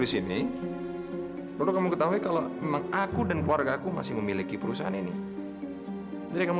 saya perkenalkan sekali lagi sama kamu